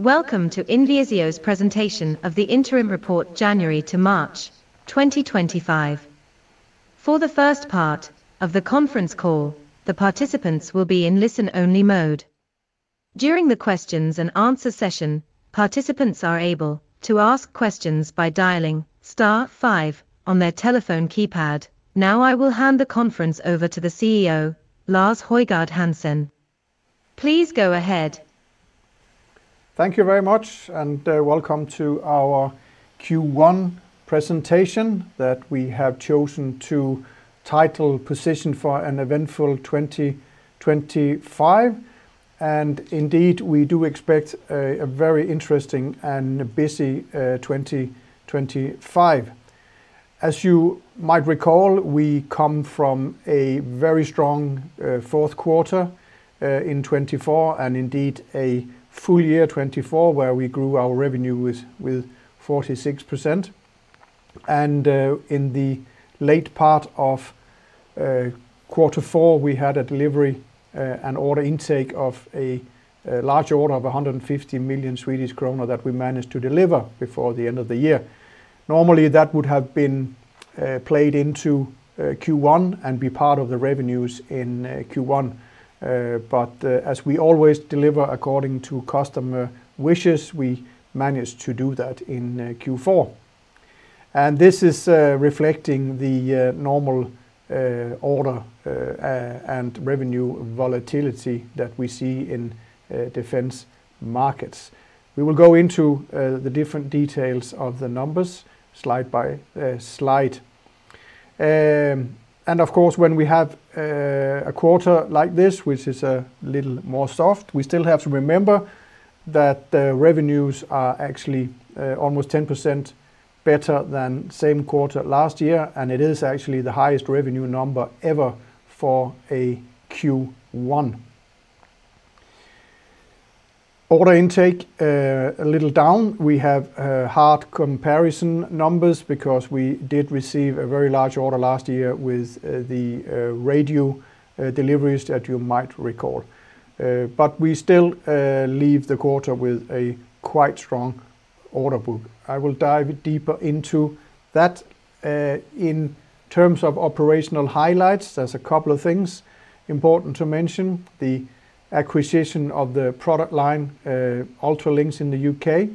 Welcome to INVISIO's presentation of the Interim Report January to March 2025. For the first part of the conference call, the participants will be in listen-only mode. During the Q&A session, participants are able to ask questions by dialing star five on their telephone keypad. Now I will hand the conference over to the CEO, Lars Højgård Hansen. Please go ahead. Thank you very much, and welcome to our Q1 presentation that we have chosen to title "Position for an Eventful 2025." Indeed, we do expect a very interesting and busy 2025. As you might recall, we come from a very strong fourth quarter in 2024, and indeed a full year 2024, where we grew our revenue with 46%. In the late part of Q4, we had a delivery and order intake of a large order of 150 million Swedish kronor that we managed to deliver before the end of the year. Normally, that would have been played into Q1 and be part of the revenues in Q1. As we always deliver according to customer wishes, we managed to do that in Q4. This is reflecting the normal order and revenue volatility that we see in defense markets. We will go into the different details of the numbers slide by slide. Of course, when we have a quarter like this, which is a little more soft, we still have to remember that the revenues are actually almost 10% better than the same quarter last year, and it is actually the highest revenue number ever for a Q1. Order intake a little down. We have hard comparison numbers because we did receive a very large order last year with the radio deliveries that you might recall. We still leave the quarter with a quite strong order book. I will dive deeper into that. In terms of operational highlights, there is a couple of things important to mention: the acquisition of the product line UltraLYNX in the U.K.,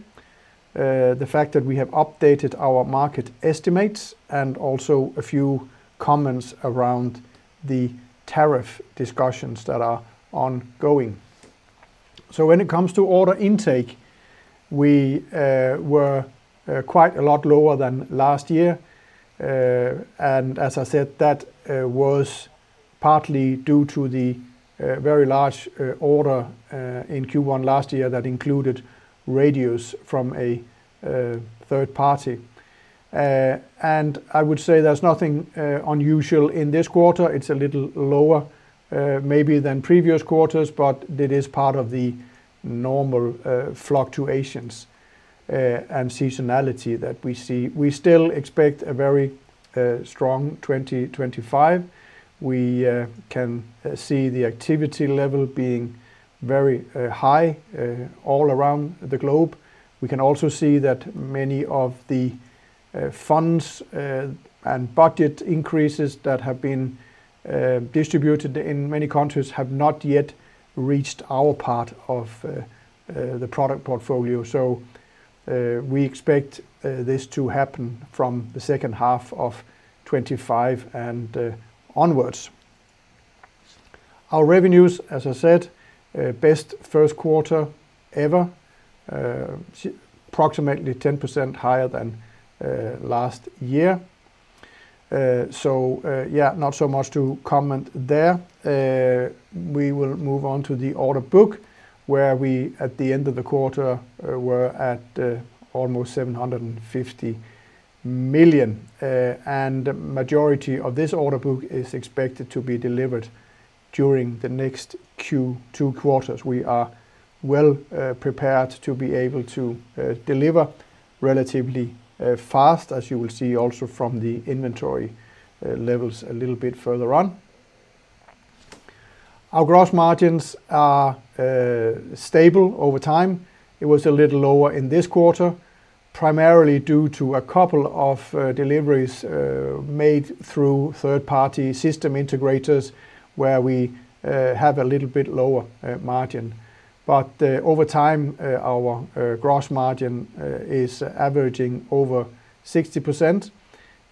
the fact that we have updated our market estimates, and also a few comments around the tariff discussions that are ongoing. When it comes to order intake, we were quite a lot lower than last year. As I said, that was partly due to the very large order in Q1 last year that included radios from a third party. I would say there is nothing unusual in this quarter. It is a little lower maybe than previous quarters, but it is part of the normal fluctuations and seasonality that we see. We still expect a very strong 2025. We can see the activity level being very high all around the globe. We can also see that many of the funds and budget increases that have been distributed in many countries have not yet reached our part of the product portfolio. We expect this to happen from the second half of 2025 and onwards. Our revenues, as I said, best first quarter ever, approximately 10% higher than last year. Yeah, not so much to comment there. We will move on to the order book, where we at the end of the quarter were at almost 750 million. The majority of this order book is expected to be delivered during the next two quarters. We are well prepared to be able to deliver relatively fast, as you will see also from the inventory levels a little bit further on. Our gross margins are stable over time. It was a little lower in this quarter, primarily due to a couple of deliveries made through third-party system integrators, where we have a little bit lower margin. Over time, our gross margin is averaging over 60%.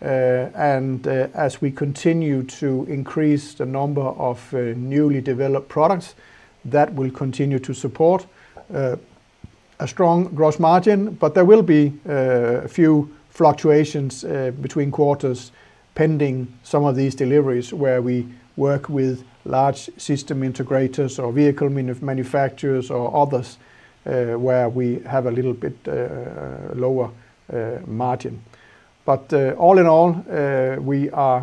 As we continue to increase the number of newly developed products, that will continue to support a strong gross margin. There will be a few fluctuations between quarters pending some of these deliveries, where we work with large system integrators or vehicle manufacturers or others, where we have a little bit lower margin. All in all, we are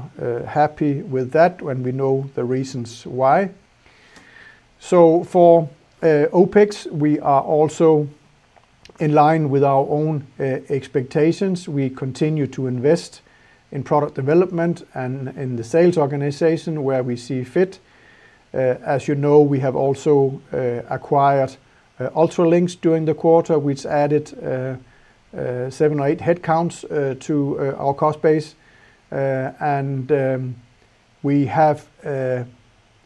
happy with that when we know the reasons why. For OpEx, we are also in line with our own expectations. We continue to invest in product development and in the sales organization where we see fit. As you know, we have also acquired UltraLYNX during the quarter, which added seven or eight headcounts to our cost base. We have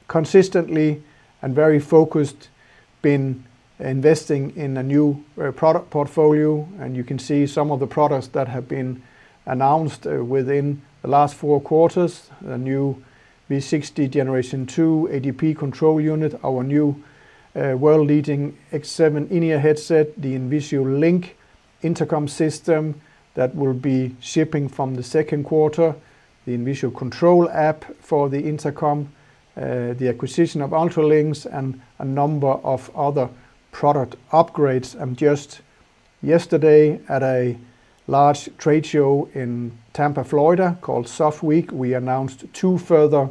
consistently and very focused been investing in a new product portfolio. You can see some of the products that have been announced within the last four quarters: the new V60 Generation II ADP control unit, our new world-leading X7 in-ear headset, the INVISIO Link intercom system that will be shipping from the second quarter, the INVISIO control app for the intercom, the acquisition of UltraLYNX, and a number of other product upgrades. Just yesterday, at a large trade show in Tampa, Florida, called SOF Week, we announced two further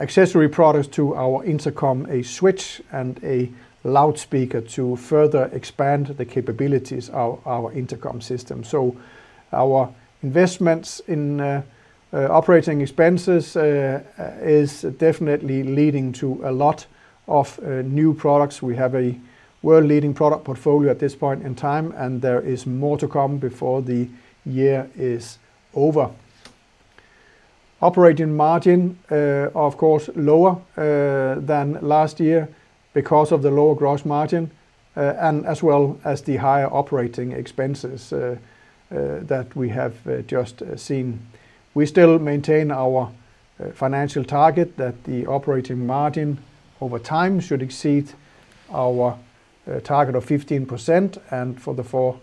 accessory products to our intercom: a switch and a loudspeaker to further expand the capabilities of our intercom system. Our investments in operating expenses are definitely leading to a lot of new products. We have a world-leading product portfolio at this point in time, and there is more to come before the year is over. Operating margin, of course, lower than last year because of the lower gross margin, and as well as the higher operating expenses that we have just seen. We still maintain our financial target that the operating margin over time should exceed our target of 15%. For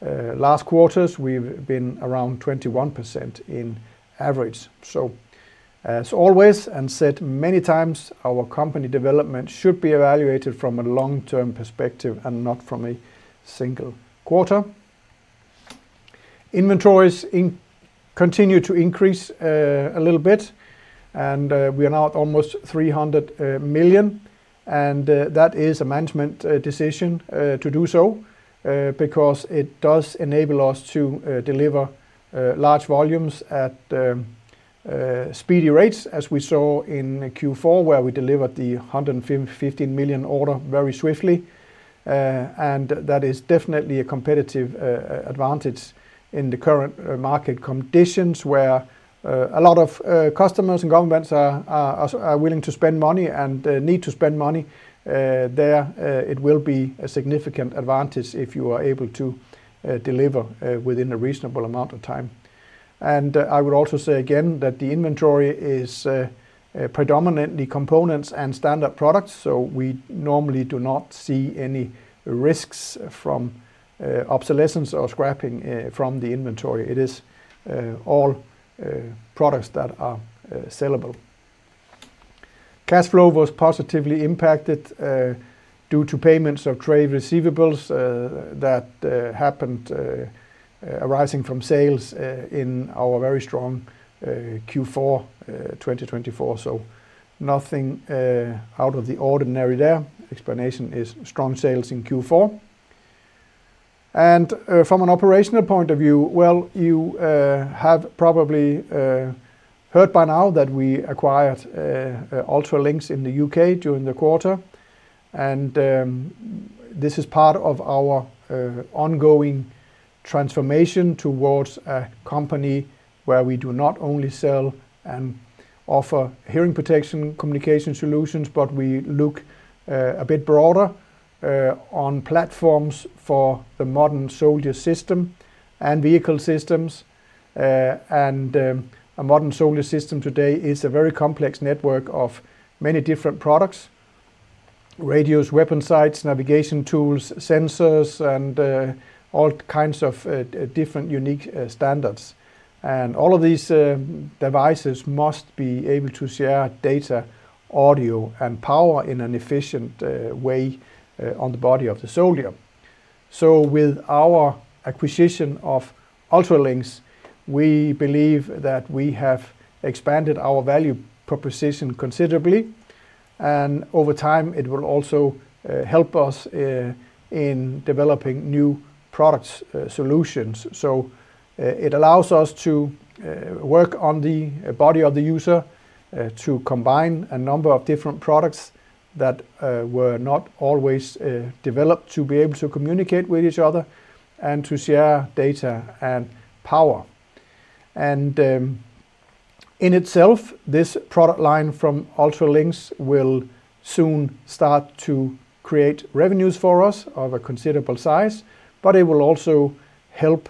the last quarters, we've been around 21% in average. As always, and said many times, our company development should be evaluated from a long-term perspective and not from a single quarter. Inventories continue to increase a little bit, and we are now at almost 300 million. That is a management decision to do so because it does enable us to deliver large volumes at speedy rates, as we saw in Q4, where we delivered the 115 million order very swiftly. That is definitely a competitive advantage in the current market conditions, where a lot of customers and governments are willing to spend money and need to spend money there. It will be a significant advantage if you are able to deliver within a reasonable amount of time. I would also say again that the inventory is predominantly components and standard products. We normally do not see any risks from obsolescence or scrapping from the inventory. It is all products that are sellable. Cash flow was positively impacted due to payments of trade receivables that happened arising from sales in our very strong Q4 2024. Nothing out of the ordinary there. Explanation is strong sales in Q4. From an operational point of view, you have probably heard by now that we acquired UltraLYNX in the U.K. during the quarter. This is part of our ongoing transformation towards a company where we do not only sell and offer hearing protection communication solutions, but we look a bit broader on platforms for the modern soldier system and vehicle systems. A modern soldier system today is a very complex network of many different products: radios, weapon sites, navigation tools, sensors, and all kinds of different unique standards. All of these devices must be able to share data, audio, and power in an efficient way on the body of the soldier. With our acquisition of UltraLYNX, we believe that we have expanded our value proposition considerably. Over time, it will also help us in developing new product solutions. It allows us to work on the body of the user, to combine a number of different products that were not always developed to be able to communicate with each other and to share data and power. In itself, this product line from UltraLYNX will soon start to create revenues for us of a considerable size, but it will also help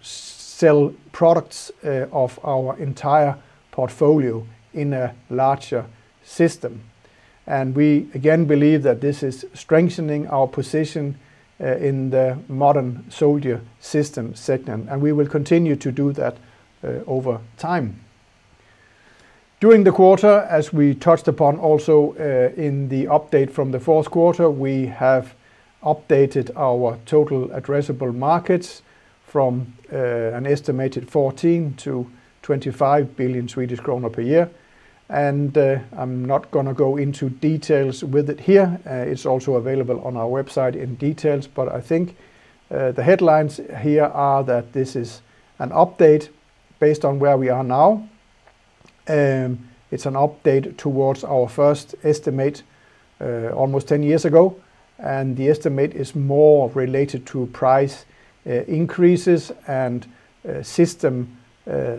sell products of our entire portfolio in a larger system. We again believe that this is strengthening our position in the modern soldier system segment, and we will continue to do that over time. During the quarter, as we touched upon also in the update from the fourth quarter, we have updated our total addressable markets from an estimated 14 billion-25 billion Swedish kronor per year. I'm not going to go into details with it here. It is also available on our website in details. I think the headlines here are that this is an update based on where we are now. It's an update towards our first estimate almost 10 years ago. The estimate is more related to price increases and system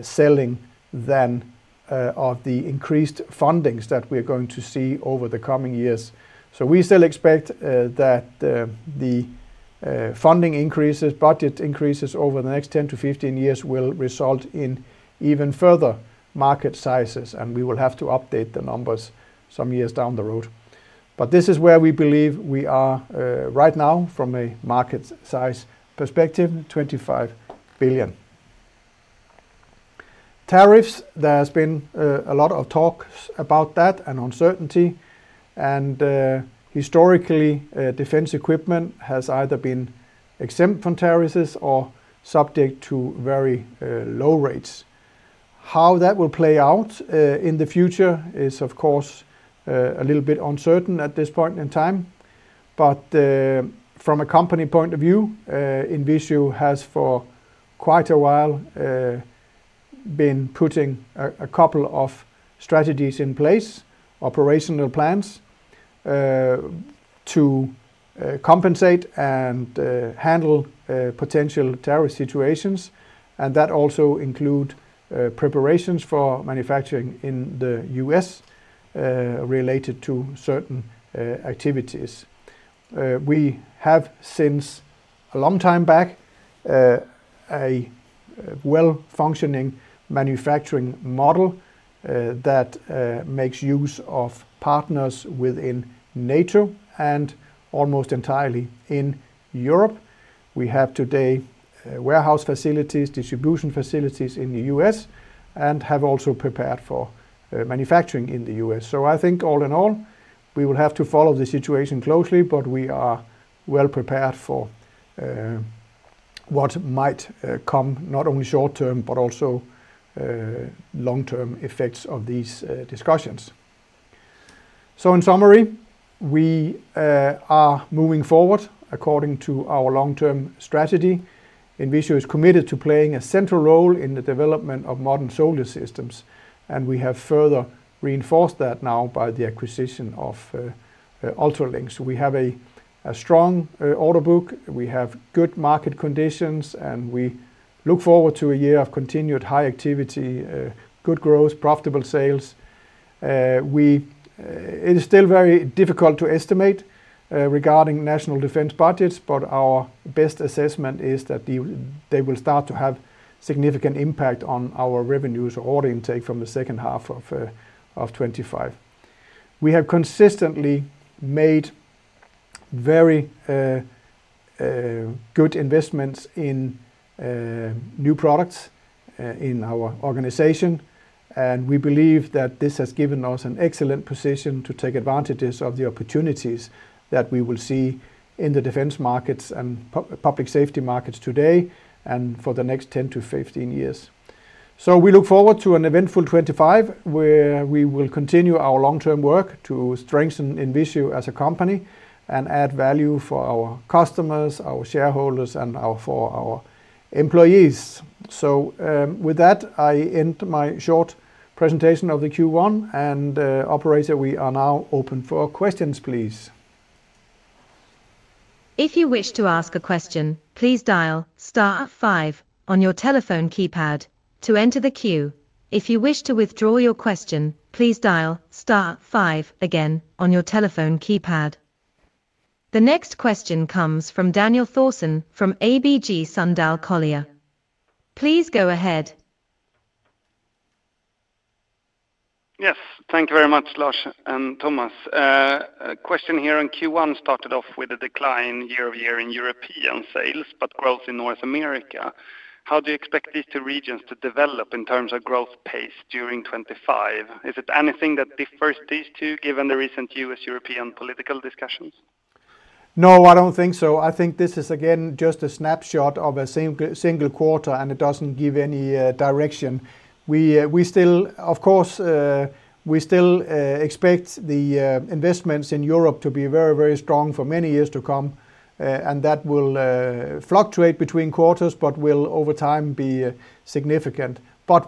selling than of the increased fundings that we are going to see over the coming years. We still expect that the funding increases, budget increases over the next 10-15 years will result in even further market sizes, and we will have to update the numbers some years down the road. This is where we believe we are right now from a market size perspective: $25 billion. Tariffs, there has been a lot of talk about that and uncertainty. Historically, defense equipment has either been exempt from tariffs or subject to very low rates. How that will play out in the future is, of course, a little bit uncertain at this point in time. From a company point of view, INVISIO has for quite a while been putting a couple of strategies in place, operational plans to compensate and handle potential tariff situations. That also includes preparations for manufacturing in the U.S. related to certain activities. We have since a long time back a well-functioning manufacturing model that makes use of partners within NATO and almost entirely in Europe. We have today warehouse facilities, distribution facilities in the U.S., and have also prepared for manufacturing in the U.S. I think all in all, we will have to follow the situation closely, but we are well prepared for what might come, not only short-term, but also long-term effects of these discussions. In summary, we are moving forward according to our long-term strategy. INVISIO is committed to playing a central role in the development of modern soldier systems. We have further reinforced that now by the acquisition of UltraLYNX. We have a strong order book. We have good market conditions, and we look forward to a year of continued high activity, good growth, and profitable sales. It is still very difficult to estimate regarding national defense budgets, but our best assessment is that they will start to have a significant impact on our revenues or order intake from the second half of 2025. We have consistently made very good investments in new products in our organization. We believe that this has given us an excellent position to take advantage of the opportunities that we will see in the defense markets and public safety markets today and for the next 10-15 years. We look forward to an eventful 2025, where we will continue our long-term work to strengthen INVISIO as a company and add value for our customers, our shareholders, and for our employees. With that, I end my short presentation of the Q1. Operator, we are now open for questions, please. If you wish to ask a question, please dial star five on your telephone keypad to enter the queue. If you wish to withdraw your question, please dial star five again on your telephone keypad. The next question comes from Daniel Thorsson from ABG Sundal Collier. Please go ahead. Yes. Thank you very much, Lars and Thomas. A question here on Q1 started off with a decline year-over-year in European sales, but growth in North America. How do you expect these two regions to develop in terms of growth pace during 2025? Is it anything that differs these two given the recent U.S.-European political discussions? No, I do not think so. I think this is, again, just a snapshot of a single quarter, and it does not give any direction. Of course, we still expect the investments in Europe to be very, very strong for many years to come. That will fluctuate between quarters, but will over time be significant.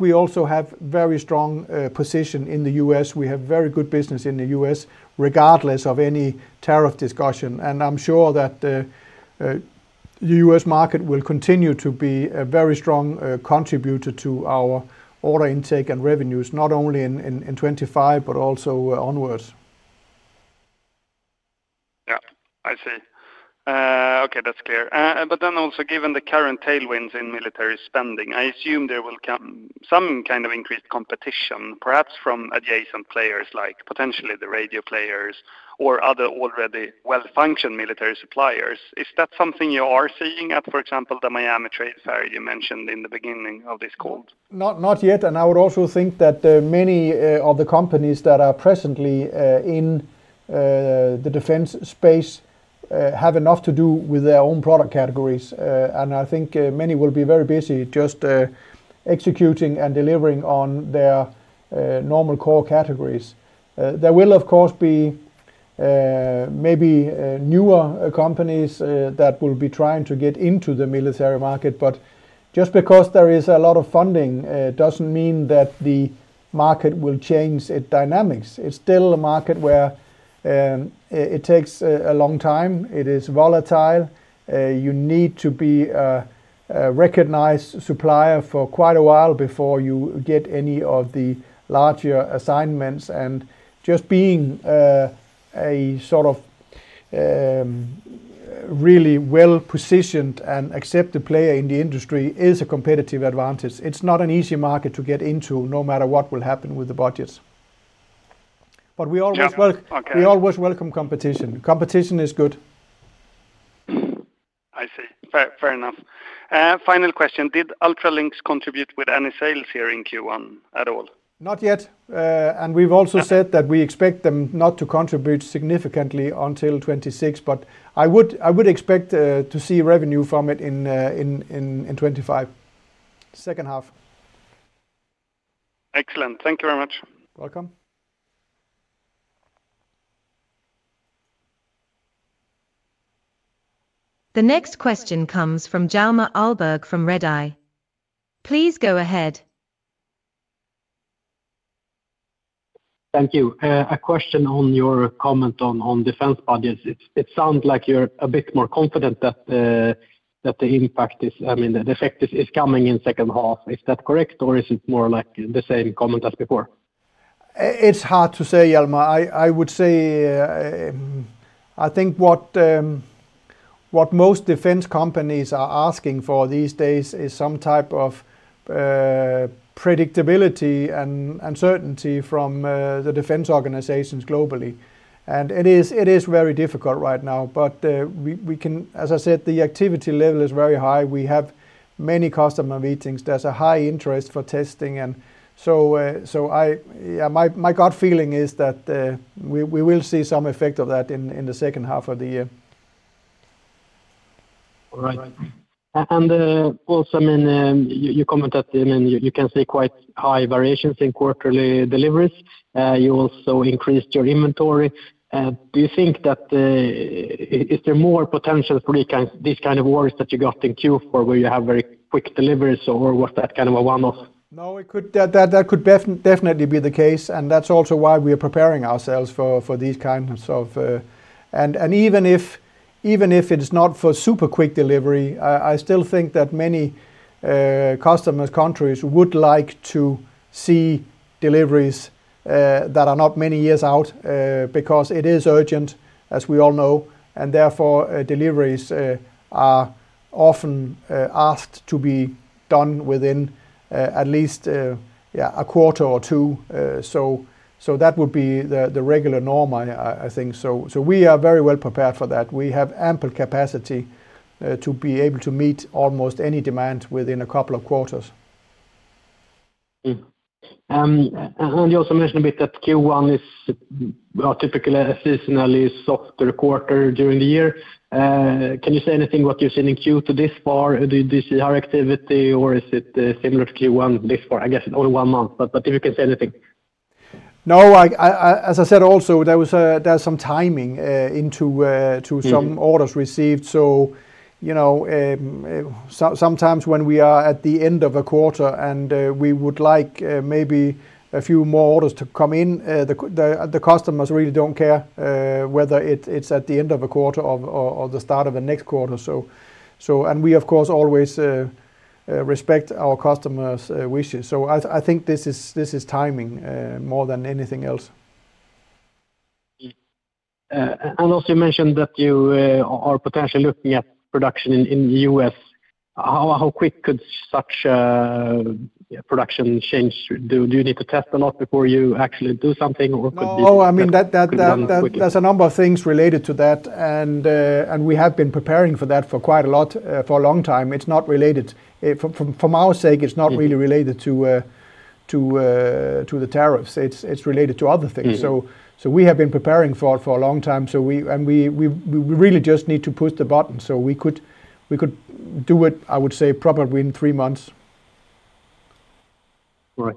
We also have a very strong position in the U.S. We have very good business in the U.S. regardless of any tariff discussion. I'm sure that the US market will continue to be a very strong contributor to our order intake and revenues, not only in 2025, but also onwards. I see. Okay, that's clear. Given the current tailwinds in military spending, I assume there will come some kind of increased competition, perhaps from adjacent players like potentially the radio players or other already well-functioned military suppliers. Is that something you are seeing at, for example, the Miami Trade Fair you mentioned in the beginning of this call? Not yet. I would also think that many of the companies that are presently in the defense space have enough to do with their own product categories. I think many will be very busy just executing and delivering on their normal core categories. There will, of course, be maybe newer companies that will be trying to get into the military market. Just because there is a lot of funding does not mean that the market will change its dynamics. It is still a market where it takes a long time. It is volatile. You need to be a recognized supplier for quite a while before you get any of the larger assignments. Just being a sort of really well-positioned and accepted player in the industry is a competitive advantage. It is not an easy market to get into no matter what will happen with the budgets. We always welcome competition. Competition is good. I see. Fair enough. Final question. Did UltraLYNX contribute with any sales here in Q1 at all? Not yet. We have also said that we expect them not to contribute significantly until 2026, but I would expect to see revenue from it in 2025. Second half. Excellent. Thank you very much. Welcome. The next question comes from Hjalmar Ahlberg from Redeye. Please go ahead. Thank you. A question on your comment on defense budgets. It sounds like you are a bit more confident that the impact is, I mean, the effect is coming in second half. Is that correct, or is it more like the same comment as before? It is hard to say, Hjalmar. I would say I think what most defense companies are asking for these days is some type of predictability and certainty from the defense organizations globally. It is very difficult right now. As I said, the activity level is very high. We have many customer meetings. There's a high interest for testing. My gut feeling is that we will see some effect of that in the second half of the year. All right. I mean, you comment that you can see quite high variations in quarterly deliveries. You also increased your inventory. Do you think that is there more potential for these kinds of orders that you got in Q4 where you have very quick deliveries, or was that kind of a one-off? No, that could definitely be the case. That's also why we are preparing ourselves for these kinds of, and even if it's not for super quick delivery, I still think that many customers, countries would like to see deliveries that are not many years out because it is urgent, as we all know. Therefore, deliveries are often asked to be done within at least a quarter or two. That would be the regular norm, I think. We are very well prepared for that. We have ample capacity to be able to meet almost any demand within a couple of quarters. You also mentioned a bit that Q1 is a typically seasonally softer quarter during the year. Can you say anything about what you've seen in Q2 this far? Do you see higher activity, or is it similar to Q1 this far? I guess only one month, but if you can say anything. No, as I said also, there's some timing into some orders received. Sometimes when we are at the end of a quarter and we would like maybe a few more orders to come in, the customers really do not care whether it is at the end of a quarter or the start of the next quarter. We, of course, always respect our customers' wishes. I think this is timing more than anything else. Also, you mentioned that you are potentially looking at production in the U.S. How quick could such production change do? Do you need to test a lot before you actually do something, or could it be? No, I mean, there are a number of things related to that. We have been preparing for that for quite a long time. It is not related. For our sake, it is not really related to the tariffs. It is related to other things. We have been preparing for it for a long time. We really just need to push the button. We could do it, I would say, probably in three months. Right.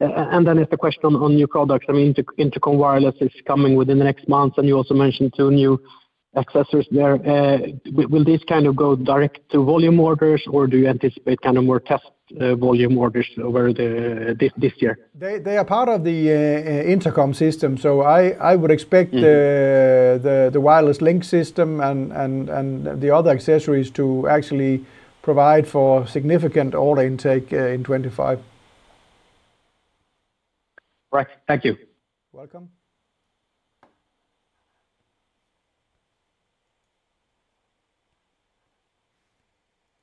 It is a question on new products. I mean, intercom wireless is coming within the next months. You also mentioned two new accessories there. Will these kind of go direct to volume orders, or do you anticipate more test volume orders over this year? They are part of the intercom system. I would expect the wireless link system and the other accessories to actually provide for significant order intake in 2025. Right. Thank you. Welcome.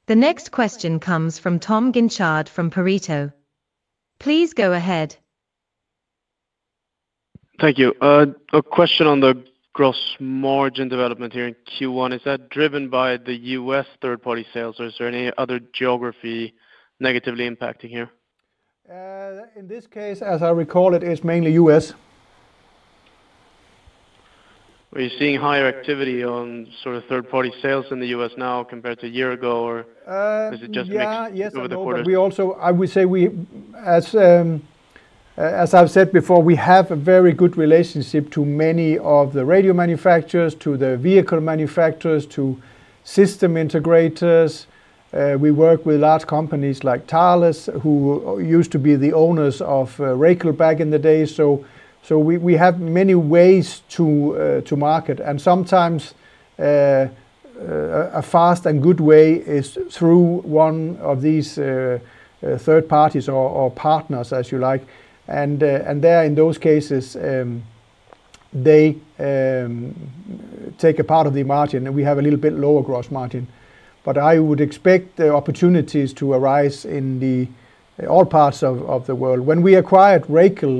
The next question comes from Tom Guinchard from Pareto. Please go ahead. Thank you. A question on the gross margin development here in Q1. Is that driven by the U.S. third-party sales, or is there any other geography negatively impacting here? In this case, as I recall, it is mainly U.S. Are you seeing higher activity on sort of third-party sales in the U.S. now compared to a year ago, or is it just mixed over the quarter? Yes. I would say, as I've said before, we have a very good relationship to many of the radio manufacturers, to the vehicle manufacturers, to system integrators. We work with large companies like Thales, who used to be the owners of Racal back in the day. We have many ways to market. Sometimes a fast and good way is through one of these third parties or partners, as you like. In those cases, they take a part of the margin, and we have a little bit lower gross margin. I would expect opportunities to arise in all parts of the world. When we acquired Racal,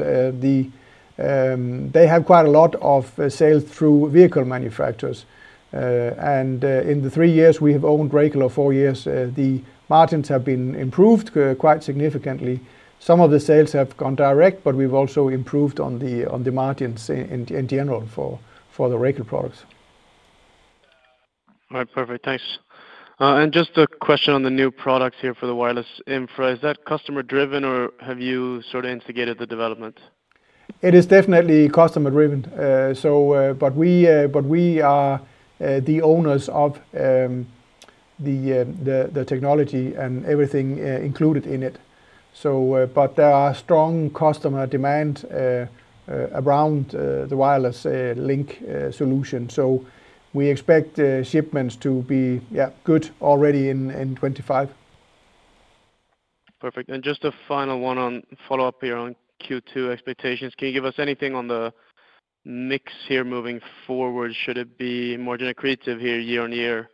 they have quite a lot of sales through vehicle manufacturers. In the three years we have owned Racal or four years, the margins have been improved quite significantly. Some of the sales have gone direct, but we have also improved on the margins in general for the Racal products. All right. Perfect. Thanks. Just a question on the new products here for the wireless infra. Is that customer-driven, or have you sort of instigated the development? It is definitely customer-driven. We are the owners of the technology and everything included in it. There are strong customer demands around the wireless link solution. We expect shipments to be good already in 2025. Perfect. Just a final one on follow-up here on Q2 expectations. Can you give us anything on the mix here moving forward? Should it be more generative here year-on-year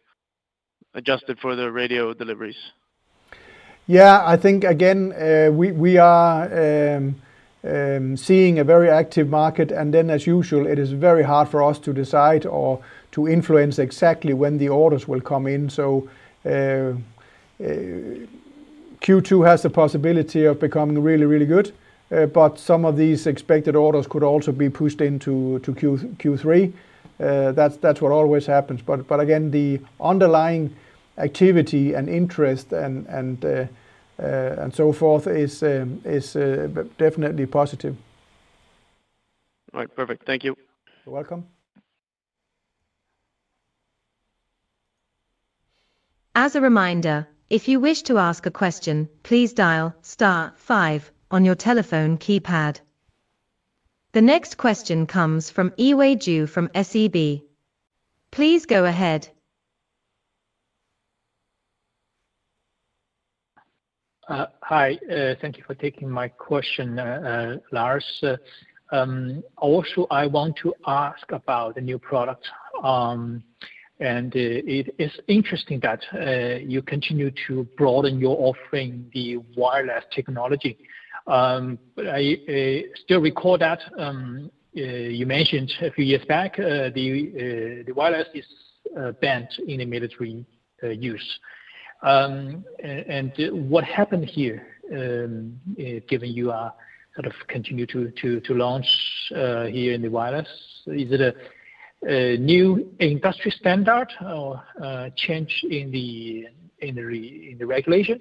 adjusted for the radio deliveries? Yeah. I think, again, we are seeing a very active market. As usual, it is very hard for us to decide or to influence exactly when the orders will come in. Q2 has the possibility of becoming really, really good. Some of these expected orders could also be pushed into Q3. That is what always happens. Again, the underlying activity and interest and so forth is definitely positive. All right. Perfect. Thank you. You're welcome. As a reminder, if you wish to ask a question, please dial star five on your telephone keypad. The next question comes from Yiwei Zhou from SEB. Please go ahead. Hi. Thank you for taking my question, Lars. Also, I want to ask about the new products. It is interesting that you continue to broaden your offering in the wireless technology. I still recall that you mentioned a few years back the wireless is banned in the military use. What happened here, given you sort of continue to launch here in the wireless? Is it a new industry standard or change in the regulation,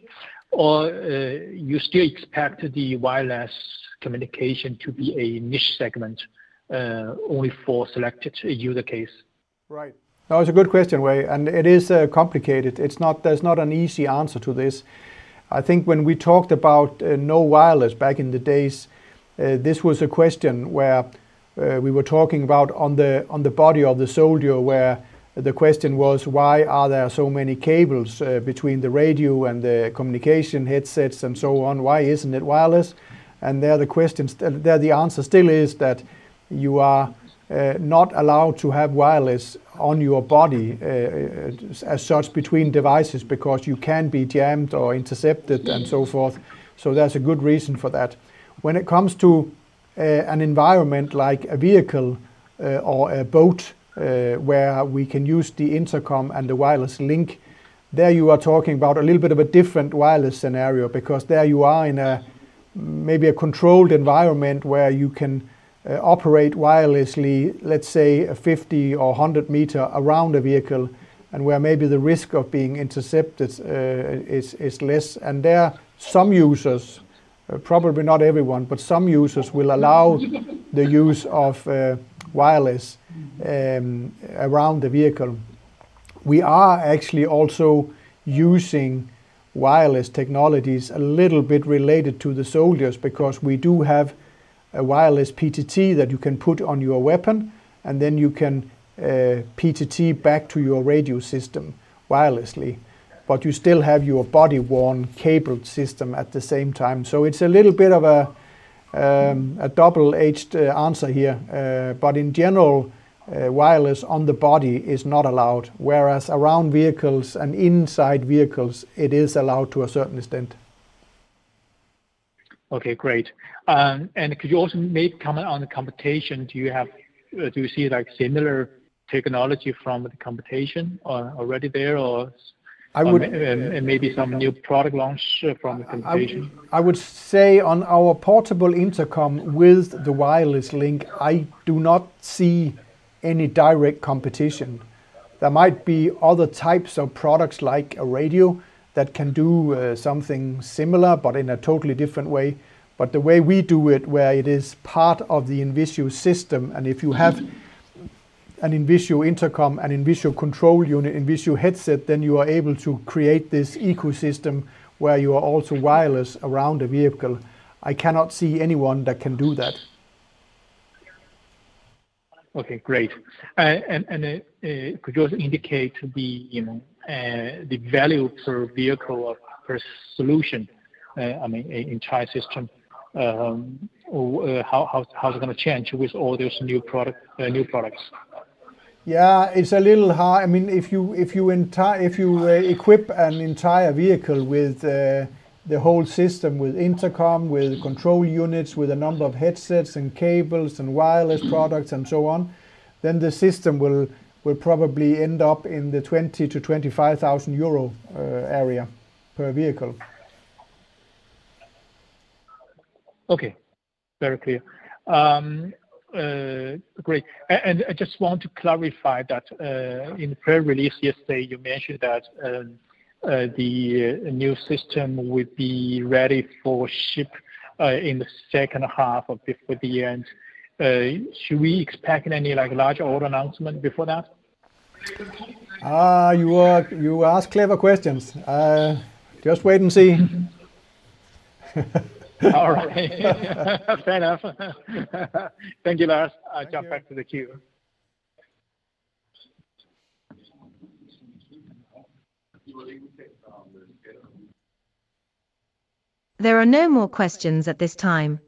or do you still expect the wireless communication to be a niche segment only for selected user cases? Right. That was a good question,. It is complicated. There is not an easy answer to this. I think when we talked about no wireless back in the days, this was a question where we were talking about on the body of the soldier where the question was, "Why are there so many cables between the radio and the communication headsets and so on? Why isn't it wireless?" There the answer still is that you are not allowed to have wireless on your body as such between devices because you can be jammed or intercepted and so forth. There is a good reason for that. When it comes to an environment like a vehicle or a boat where we can use the intercom and the wireless link, you are talking about a little bit of a different wireless scenario because there you are in maybe a controlled environment where you can operate wirelessly, let's say, 50 or 100 meters around a vehicle and where maybe the risk of being intercepted is less. There are some users, probably not everyone, but some users will allow the use of wireless around the vehicle. We are actually also using wireless technologies a little bit related to the soldiers because we do have a wireless PTT that you can put on your weapon, and then you can PTT back to your radio system wirelessly. You still have your body-worn cable system at the same time. It is a little bit of a double-edged answer here. In general, wireless on the body is not allowed, whereas around vehicles and inside vehicles, it is allowed to a certain extent. Okay. Great. Could you also maybe comment on the competition? Do you see similar technology from the competition already there or maybe some new product launch from the competition? I would say on our portable intercom with the wireless link, I do not see any direct competition. There might be other types of products like a radio that can do something similar, but in a totally different way. The way we do it, where it is part of the INVISIO system, and if you have an INVISIO intercom, an INVISIO control unit, INVISIO headset, then you are able to create this ecosystem where you are also wireless around the vehicle. I cannot see anyone that can do that. Okay. Great. Could you also indicate the value per vehicle of the solution, I mean, entire system? How's it going to change with all those new products? Yeah. It's a little hard. I mean, if you equip an entire vehicle with the whole system, with intercom, with control units, with a number of headsets and cables and wireless products and so on, then the system will probably end up in the 20,000-25,000 euro area per vehicle. Okay. Very clear. Great. I just want to clarify that in the pre-release yesterday, you mentioned that the new system would be ready for ship in the second half of before the end. Should we expect any large order announcement before that? You ask clever questions. Just wait and see. All right. Fair enough. Thank you, Lars. I'll jump back to the queue. There are no more questions at this time.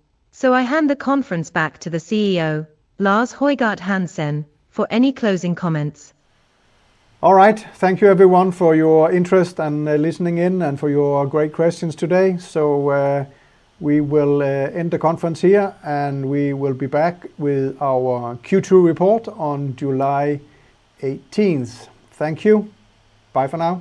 I hand the conference back to the CEO, Lars Højgård Hansen, for any closing comments. All right. Thank you, everyone, for your interest and listening in and for your great questions today. We will end the conference here, and we will be back with our Q2 report on July 18th. Thank you. Bye for now.